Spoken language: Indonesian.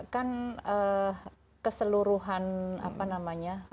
kan keseluruhan apa namanya